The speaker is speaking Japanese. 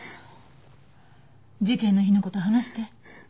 事件の日の事話して。